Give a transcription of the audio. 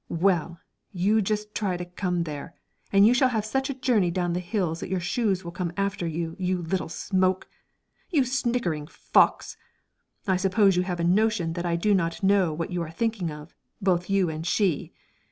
Well; you just try to come there, and you shall have such a journey down the hills that your shoes will come after you like smoke. You snickering fox! I suppose you have a notion that I do not know what you are thinking of, both you and she.